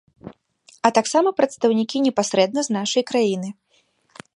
А таксама прадстаўнікі непасрэдна з нашай краіны.